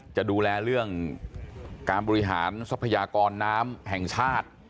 จะดูแลเรื่องการบริหารทรัพยากรน้ำแห่งชาติ